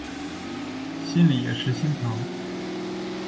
心里也是心疼